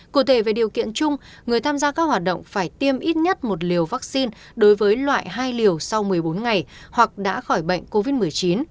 cụ thể về điều kiện chung người tham gia các hoạt động phải tiêm ít nhất một liều vaccine đối với loại hai liều sau một mươi bốn ngày hoặc đã khỏi bệnh covid một mươi chín